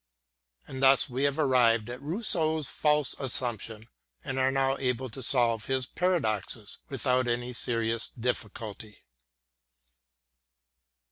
And thus we have arrived at Rousseau's false assumption, and are now able to solve his paradoxes with out any serious difficulty.